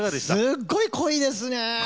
すごい濃いですね。